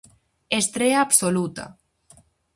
Estrea absoluta.